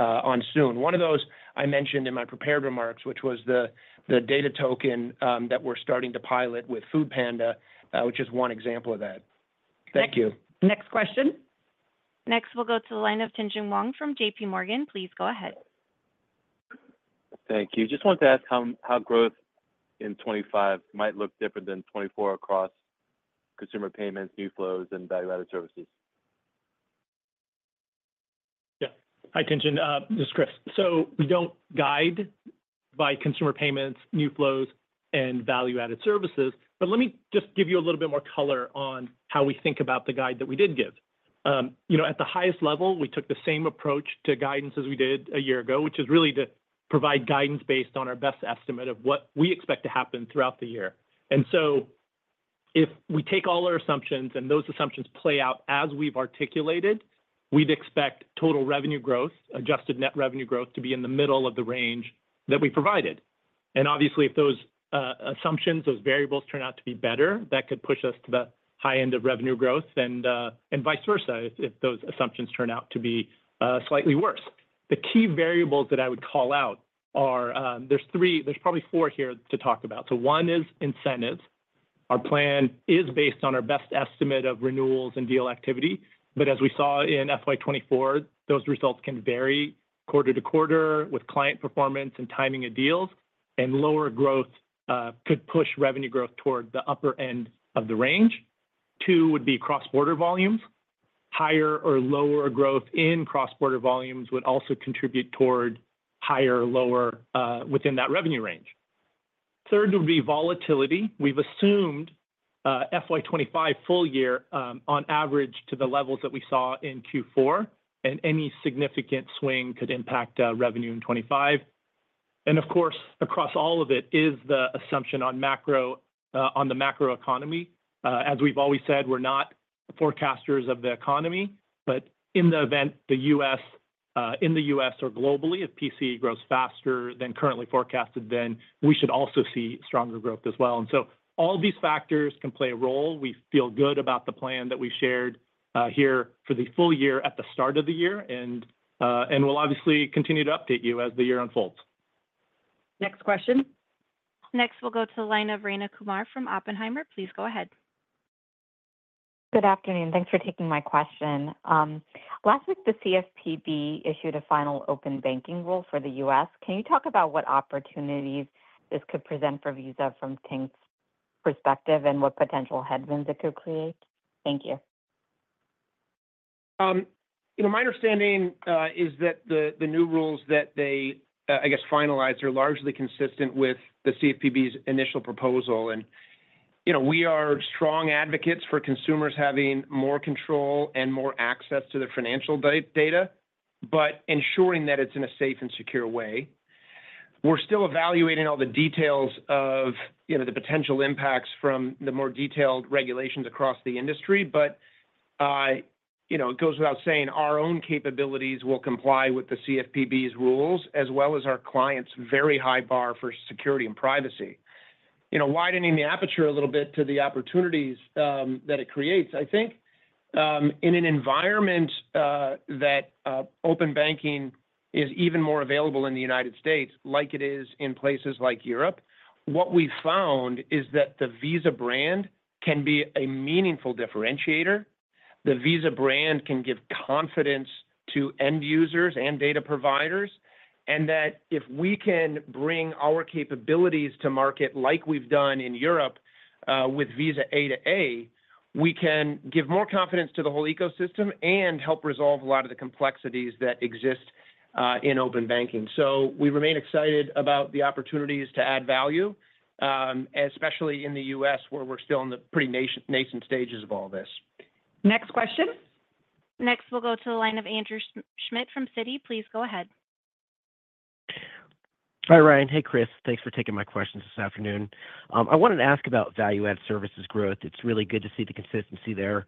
on soon. One of those I mentioned in my prepared remarks, which was the data token that we're starting to pilot with foodpanda, which is one example of that. Thank you. Next question. Next, we'll go to the line of Tien-tsin Huang from JPMorgan. Please go ahead. Thank you. Just wanted to ask how growth in 2025 might look different than 2024 across consumer payments, new flows, and value-added services. Yeah. Hi, Tien-tsin. This is Chris. So we don't guide by consumer payments, new flows, and value-added services. But let me just give you a little bit more color on how we think about the guide that we did give. At the highest level, we took the same approach to guidance as we did a year ago, which is really to provide guidance based on our best estimate of what we expect to happen throughout the year. And so if we take all our assumptions and those assumptions play out as we've articulated, we'd expect total revenue growth, adjusted net revenue growth, to be in the middle of the range that we provided. And obviously, if those assumptions, those variables turn out to be better, that could push us to the high end of revenue growth and vice versa if those assumptions turn out to be slightly worse. The key variables that I would call out are there's probably four here to talk about. So one is incentives. Our plan is based on our best estimate of renewals and deal activity. But as we saw in FY24, those results can vary quarter to quarter with client performance and timing of deals, and lower growth could push revenue growth toward the upper end of the range. Two would be cross-border volumes. Higher or lower growth in cross-border volumes would also contribute toward higher or lower within that revenue range. Third would be volatility. We've assumed FY25 full year on average to the levels that we saw in Q4, and any significant swing could impact revenue in 2025. And of course, across all of it is the assumption on the macro economy. As we've always said, we're not forecasters of the economy, but in the event the U.S. or globally, if PCE grows faster than currently forecasted, then we should also see stronger growth as well. And so all these factors can play a role. We feel good about the plan that we shared here for the full year at the start of the year, and we'll obviously continue to update you as the year unfolds. Next question. Next, we'll go to the line of Rayna Kumar from Oppenheimer. Please go ahead. Good afternoon. Thanks for taking my question. Last week, the CFPB issued a final open banking rule for the U.S. Can you talk about what opportunities this could present for Visa from Tien's perspective and what potential headwinds it could create? Thank you. My understanding is that the new rules that they, I guess, finalized are largely consistent with the CFPB's initial proposal, and we are strong advocates for consumers having more control and more access to their financial data, but ensuring that it's in a safe and secure way. We're still evaluating all the details of the potential impacts from the more detailed regulations across the industry, but it goes without saying, our own capabilities will comply with the CFPB's rules as well as our clients' very high bar for security and privacy. Widening the aperture a little bit to the opportunities that it creates, I think in an environment that open banking is even more available in the United States, like it is in places like Europe, what we found is that the Visa brand can be a meaningful differentiator. The Visa brand can give confidence to end users and data providers, and that if we can bring our capabilities to market like we've done in Europe with Visa A2A, we can give more confidence to the whole ecosystem and help resolve a lot of the complexities that exist in open banking. So we remain excited about the opportunities to add value, especially in the U.S. where we're still in the pretty nascent stages of all this. Next question. Next, we'll go to the line of Andrew Schmidt from Citi. Please go ahead. Hi, Ryan. Hey, Chris. Thanks for taking my questions this afternoon. I wanted to ask about value-added services growth. It's really good to see the consistency there.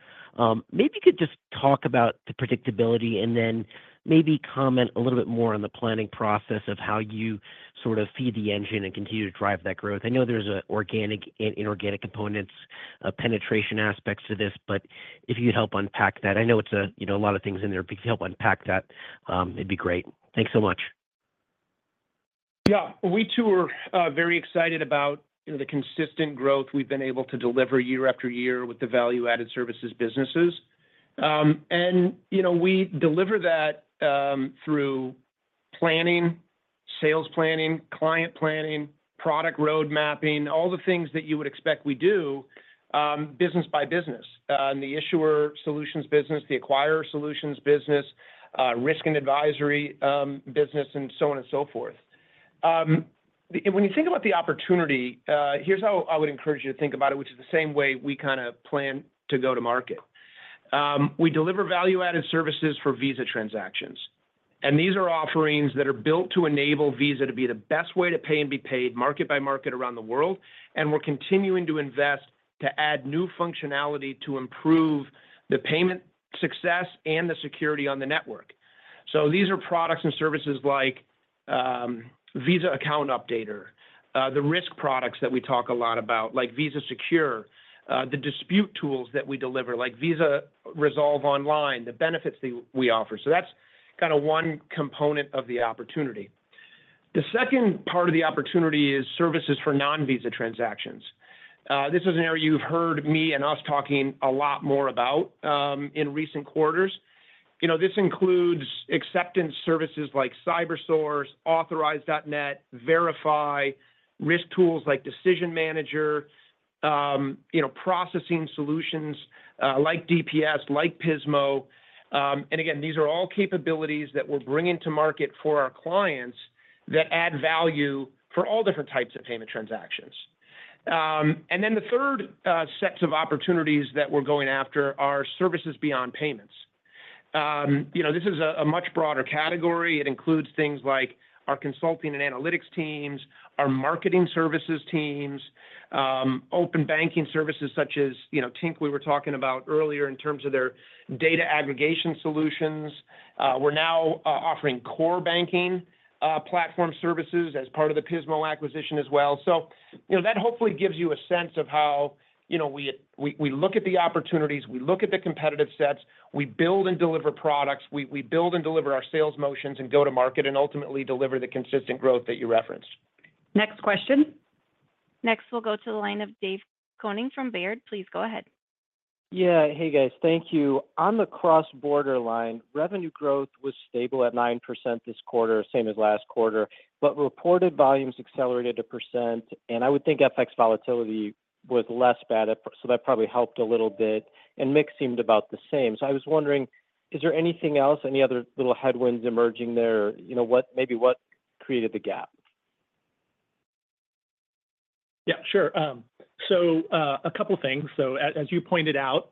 Maybe you could just talk about the predictability and then maybe comment a little bit more on the planning process of how you sort of feed the engine and continue to drive that growth. I know there's an organic and inorganic components of penetration aspects to this, but if you'd help unpack that. I know it's a lot of things in there. If you could help unpack that, it'd be great. Thanks so much. Yeah. We too are very excited about the consistent growth we've been able to deliver year after year with the value-added services businesses. We deliver that through planning, sales planning, client planning, product roadmapping, all the things that you would expect we do business by business, the issuer solutions business, the acquirer solutions business, risk and advisory business, and so on and so forth. When you think about the opportunity, here's how I would encourage you to think about it, which is the same way we kind of plan to go to market. We deliver value-added services for Visa transactions. These are offerings that are built to enable Visa to be the best way to pay and be paid market by market around the world. We're continuing to invest to add new functionality to improve the payment success and the security on the network. So these are products and services like Visa Account Updater, the risk products that we talk a lot about, like Visa Secure, the dispute tools that we deliver, like Visa Resolve Online, the benefits that we offer. So that's kind of one component of the opportunity. The second part of the opportunity is services for non-Visa transactions. This is an area you've heard me and us talking a lot more about in recent quarters. This includes acceptance services like CyberSource, Authorize.net, Verifi, risk tools like Decision Manager, processing solutions like DPS, like Pismo. And again, these are all capabilities that we're bringing to market for our clients that add value for all different types of payment transactions. And then the third set of opportunities that we're going after are services beyond payments. This is a much broader category. It includes things like our consulting and analytics teams, our marketing services teams, open banking services such as Tink we were talking about earlier in terms of their data aggregation solutions. We're now offering core banking platform services as part of the Pismo acquisition as well. So that hopefully gives you a sense of how we look at the opportunities, we look at the competitive sets, we build and deliver products, we build and deliver our sales motions and go to market, and ultimately deliver the consistent growth that you referenced. Next question. Next, we'll go to the line of David Koning from Baird. Please go ahead. Yeah. Hey, guys. Thank you. On the cross-border line, revenue growth was stable at 9% this quarter, same as last quarter, but reported volumes accelerated 1%. And I would think FX volatility was less bad, so that probably helped a little bit. And mix seemed about the same. So I was wondering, is there anything else, any other little headwinds emerging there? Maybe what created the gap? Yeah, sure. So a couple of things. So as you pointed out,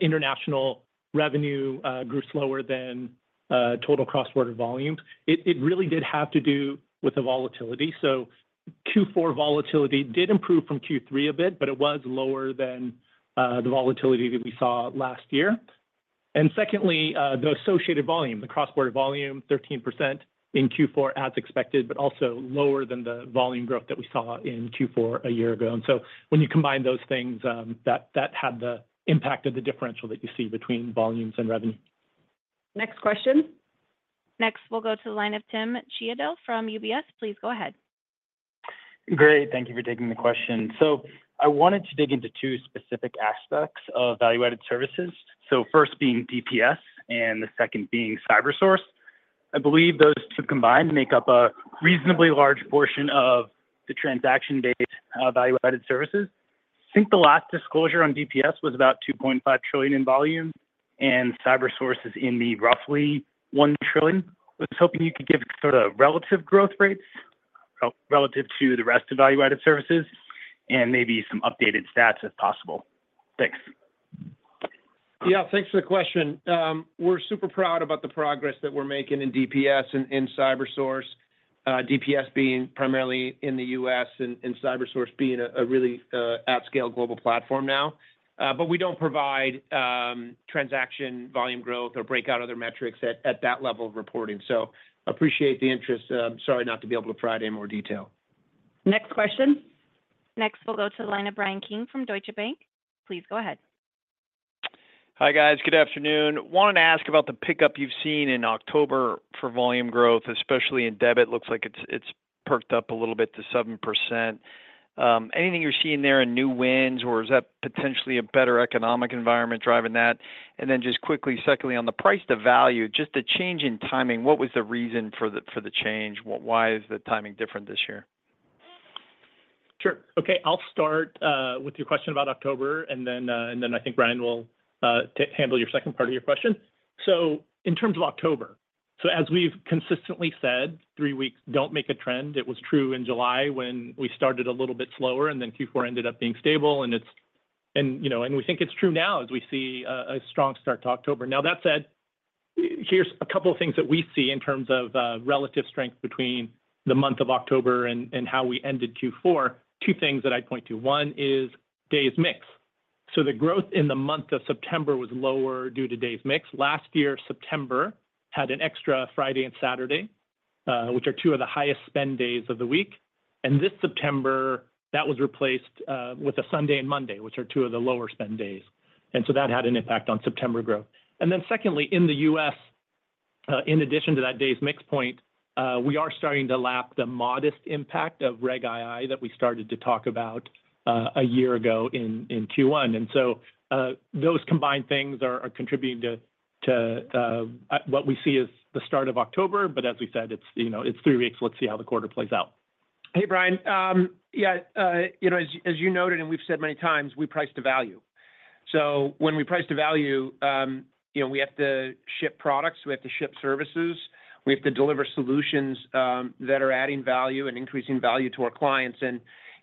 international revenue grew slower than total cross-border volumes. It really did have to do with the volatility. So Q4 volatility did improve from Q3 a bit, but it was lower than the volatility that we saw last year. And secondly, the associated volume, the cross-border volume, 13% in Q4 as expected, but also lower than the volume growth that we saw in Q4 a year ago. And so when you combine those things, that had the impact of the differential that you see between volumes and revenue. Next question. Next, we'll go to the line of Tim Chiodo from UBS. Please go ahead. Great. Thank you for taking the question. So I wanted to dig into two specific aspects of value-added services. So first being DPS and the second being CyberSource. I believe those two combined make up a reasonably large portion of the transaction-based value-added services. I think the last disclosure on DPS was about 2.5 trillion in volume, and CyberSource is in the roughly 1 trillion. I was hoping you could give sort of relative growth rates relative to the rest of value-added services and maybe some updated stats if possible. Thanks. Yeah. Thanks for the question. We're super proud about the progress that we're making in DPS and CyberSource, DPS being primarily in the U.S. and CyberSource being a really at-scale global platform now. But we don't provide transaction volume growth or breakout other metrics at that level of reporting. So appreciate the interest. Sorry not to be able to provide any more detail. Next question. Next, we'll go to the line of Brian Keane from Deutsche Bank. Please go ahead. Hi, guys. Good afternoon. Wanted to ask about the pickup you've seen in October for volume growth, especially in debit. Looks like it's perked up a little bit to 7%. Anything you're seeing there in new wins, or is that potentially a better economic environment driving that? And then just quickly, secondly, on the price to value, just the change in timing, what was the reason for the change? Why is the timing different this year? Sure. Okay. I'll start with your question about October, and then I think Ryan will handle your second part of your question. So in terms of October, so as we've consistently said, three weeks don't make a trend. It was true in July when we started a little bit slower, and then Q4 ended up being stable. We think it's true now as we see a strong start to October. Now, that said, here's a couple of things that we see in terms of relative strength between the month of October and how we ended Q4. Two things that I'd point to. One is days' mix. So the growth in the month of September was lower due to days' mix. Last year, September had an extra Friday and Saturday, which are two of the highest spend days of the week. And this September, that was replaced with a Sunday and Monday, which are two of the lower spend days. And so that had an impact on September growth. And then secondly, in the U.S., in addition to that days' mix point, we are starting to lap the modest impact of Reg II that we started to talk about a year ago in Q1. And so those combined things are contributing to what we see as the start of October. But as we said, it's three weeks. Let's see how the quarter plays out. Hey, Brian. Yeah. As you noted, and we've said many times, we price to value. So when we price to value, we have to ship products, we have to ship services, we have to deliver solutions that are adding value and increasing value to our clients. And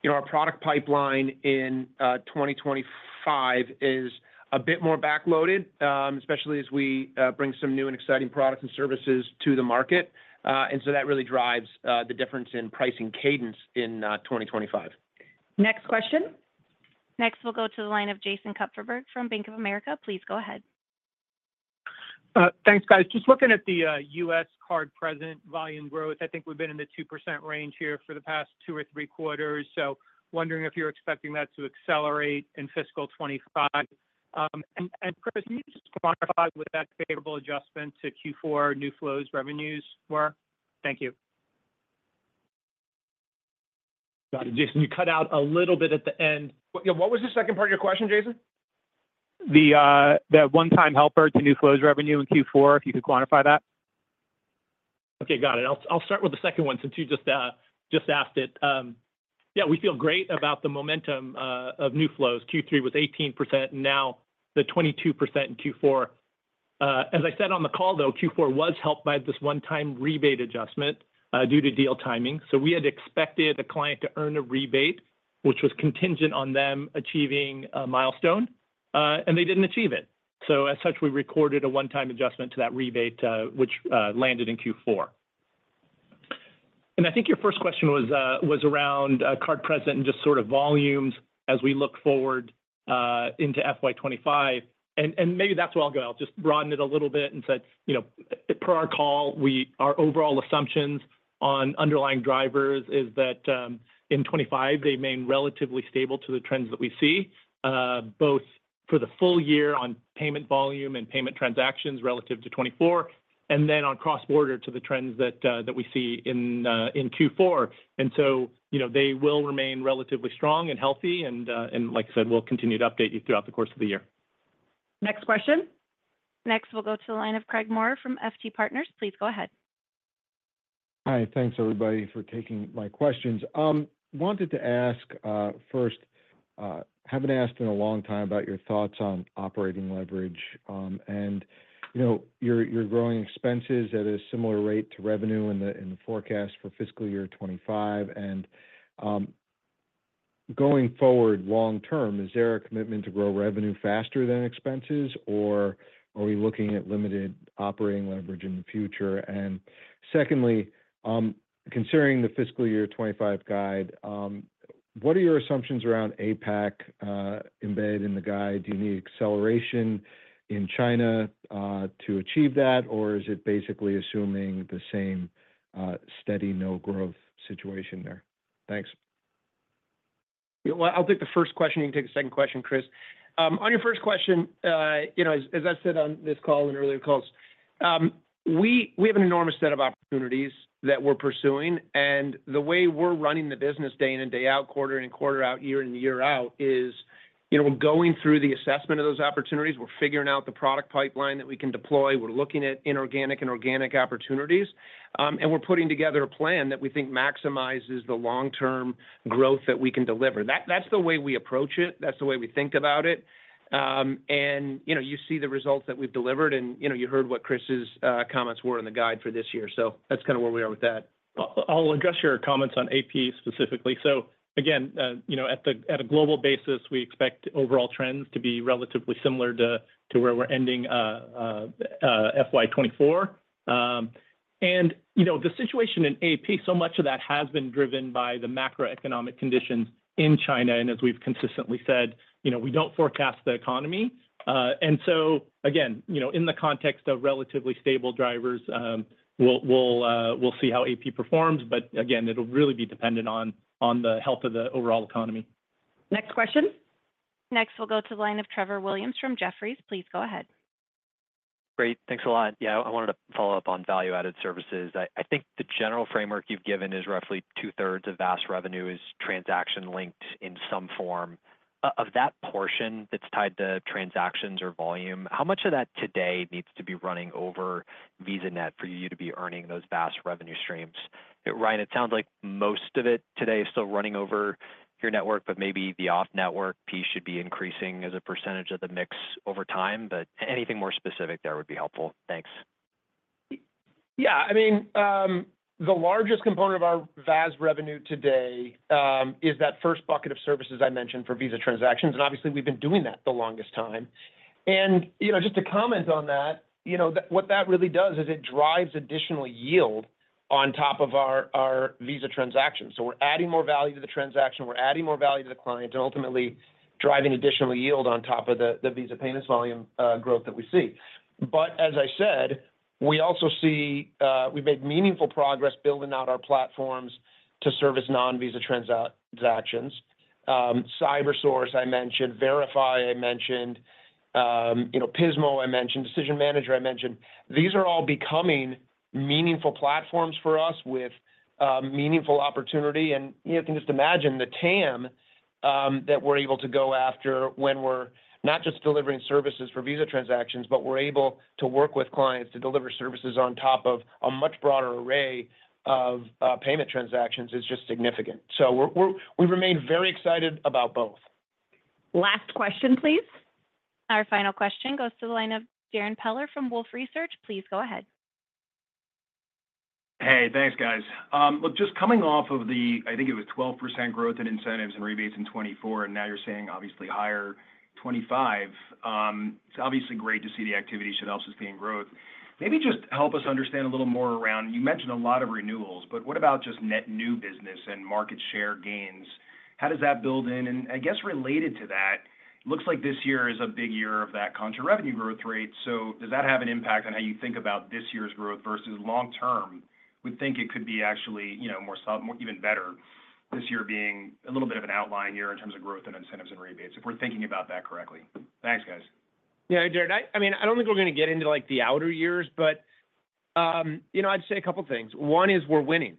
our product pipeline in 2025 is a bit more backloaded, especially as we bring some new and exciting products and services to the market. And so that really drives the difference in pricing cadence in 2025. Next question. Next, we'll go to the line of Jason Kupferberg from Bank of America. Please go ahead. Thanks, guys. Just looking at the U.S. Card Present volume growth, I think we've been in the 2% range here for the past two or three quarters. So wondering if you're expecting that to accelerate in fiscal 2025. And Chris, can you just quantify what that favorable adjustment to Q4 New Flows revenues were? Thank you. Got it. Jason, you cut out a little bit at the end. What was the second part of your question, Jason? The one-time help to New Flows revenue in Q4, if you could quantify that. Okay. Got it. I'll start with the second one since you just asked it. Yeah. We feel great about the momentum of New Flows. Q3 was 18%, and now the 22% in Q4. As I said on the call, though, Q4 was helped by this one-time rebate adjustment due to deal timing. So we had expected a client to earn a rebate, which was contingent on them achieving a milestone, and they didn't achieve it. So as such, we recorded a one-time adjustment to that rebate, which landed in Q4. And I think your first question was around card present and just sort of volumes as we look forward into FY25. And maybe that's where I'll go. I'll just broaden it a little bit and said, per our call, our overall assumptions on underlying drivers is that in 2025, they remain relatively stable to the trends that we see, both for the full year on payment volume and payment transactions relative to 2024, and then on cross-border to the trends that we see in Q4. And so they will remain relatively strong and healthy. And like I said, we'll continue to update you throughout the course of the year. Next question. Next, we'll go to the line of Craig Maurer from FT Partners. Please go ahead. Hi. Thanks, everybody, for taking my questions. Wanted to ask first, haven't asked in a long time about your thoughts on operating leverage and your growing expenses at a similar rate to revenue in the forecast for fiscal year 2025. And going forward long-term, is there a commitment to grow revenue faster than expenses, or are we looking at limited operating leverage in the future? And secondly, considering the fiscal year 2025 guide, what are your assumptions around APAC embedded in the guide? Do you need acceleration in China to achieve that, or is it basically assuming the same steady no-growth situation there? Thanks. Yeah. Well, I'll take the first question. You can take the second question, Chris. On your first question, as I said on this call and earlier calls, we have an enormous set of opportunities that we're pursuing. And the way we're running the business day in and day out, quarter in and quarter out, year in and year out, is we're going through the assessment of those opportunities. We're figuring out the product pipeline that we can deploy. We're looking at inorganic and organic opportunities, and we're putting together a plan that we think maximizes the long-term growth that we can deliver. That's the way we approach it. That's the way we think about it. And you see the results that we've delivered, and you heard what Chris's comments were in the guide for this year. So that's kind of where we are with that. I'll address your comments on A2A specifically. So again, at a global basis, we expect overall trends to be relatively similar to where we're ending FY24. And the situation in AP, so much of that has been driven by the macroeconomic conditions in China. And as we've consistently said, we don't forecast the economy. And so again, in the context of relatively stable drivers, we'll see how AP performs. But again, it'll really be dependent on the health of the overall economy. Next question. Next, we'll go to the line of Trevor Williams from Jefferies. Please go ahead. Great. Thanks a lot. Yeah. I wanted to follow up on value-added services. I think the general framework you've given is roughly two-thirds of VAS revenue is transaction-linked in some form. Of that portion that's tied to transactions or volume, how much of that today needs to be running over VisaNet for you to be earning those VAS revenue streams? Ryan, it sounds like most of it today is still running over your network, but maybe the off-network piece should be increasing as a percentage of the mix over time. But anything more specific there would be helpful. Thanks. Yeah. I mean, the largest component of our VAS revenue today is that first bucket of services I mentioned for Visa transactions. And obviously, we've been doing that the longest time. And just to comment on that, what that really does is it drives additional yield on top of our Visa transactions. So we're adding more value to the transaction. We're adding more value to the clients and ultimately driving additional yield on top of the Visa payments volume growth that we see. But as I said, we also see we've made meaningful progress building out our platforms to service non-Visa transactions. CyberSource, I mentioned. Verify, I mentioned. Pismo, I mentioned. Decision Manager, I mentioned. These are all becoming meaningful platforms for us with meaningful opportunity. And you can just imagine the TAM that we're able to go after when we're not just delivering services for Visa transactions, but we're able to work with clients to deliver services on top of a much broader array of payment transactions, is just significant. So we remain very excited about both. Last question, please. Our final question goes to the line of Darrin Peller from Wolfe Research. Please go ahead. Hey, thanks, guys. Look, just coming off of the, I think it was 12% growth in incentives and rebates in 2024, and now you're seeing obviously higher 2025. It's obviously great to see the activity should help sustain growth. Maybe just help us understand a little more around, you mentioned a lot of renewals, but what about just net new business and market share gains? How does that build in? And I guess related to that, it looks like this year is a big year of that contra revenue growth rate. So does that have an impact on how you think about this year's growth versus long-term? We think it could be actually even better this year being a little bit of an outlier year in terms of growth and incentives and rebates if we're thinking about that correctly. Thanks, guys. Yeah, Jared. I mean, I don't think we're going to get into the outer years, but I'd say a couple of things. One is we're winning.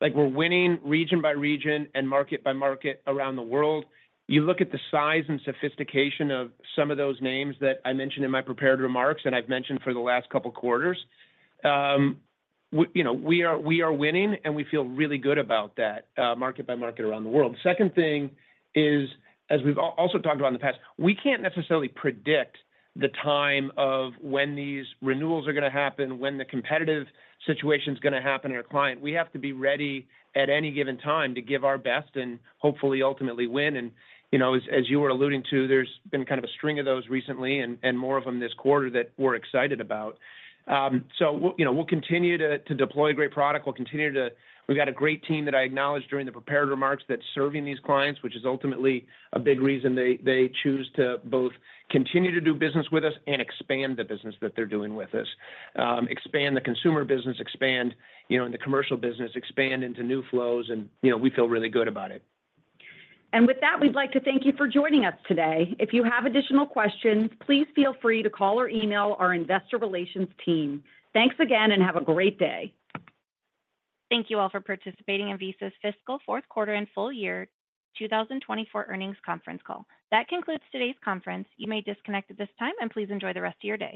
We're winning region by region and market by market around the world. You look at the size and sophistication of some of those names that I mentioned in my prepared remarks and I've mentioned for the last couple of quarters. We are winning, and we feel really good about that market by market around the world. The second thing is, as we've also talked about in the past, we can't necessarily predict the time of when these renewals are going to happen, when the competitive situation is going to happen in our client. We have to be ready at any given time to give our best and hopefully ultimately win. And as you were alluding to, there's been kind of a string of those recently and more of them this quarter that we're excited about. So we'll continue to deploy a great product. We've got a great team that I acknowledged during the prepared remarks that's serving these clients, which is ultimately a big reason they choose to both continue to do business with us and expand the business that they're doing with us. Expand the consumer business, expand in the commercial business, expand into new flows, and we feel really good about it. And with that, we'd like to thank you for joining us today. If you have additional questions, please feel free to call or email our investor relations team. Thanks again, and have a great day. Thank you all for participating in Visa's fiscal fourth quarter and full year 2024 earnings conference call. That concludes today's conference. You may disconnect at this time, and please enjoy the rest of your day.